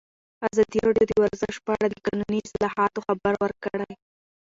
ازادي راډیو د ورزش په اړه د قانوني اصلاحاتو خبر ورکړی.